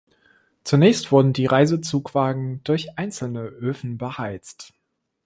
Zunächst wurden die Reisezugwagen durch einzelne Öfen beheizt.